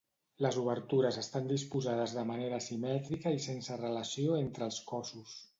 Les obertures estan disposades de manera asimètrica i sense relació entre els cossos.